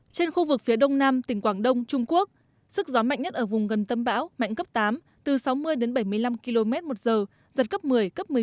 trên khu vực phía đông nam tỉnh quảng đông trung quốc sức gió mạnh nhất ở vùng gần tâm bão mạnh cấp tám từ sáu mươi đến bảy mươi năm km một giờ giật cấp một mươi cấp một mươi một